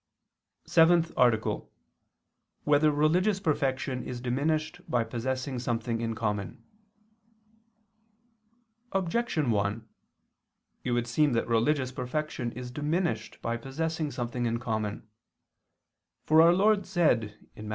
_______________________ SEVENTH ARTICLE [II II, Q. 188, Art. 7] Whether Religious Perfection Is Diminished by Possessing Something in Common? Objection 1: It would seem that religious perfection is diminished by possessing something in common. For our Lord said (Matt.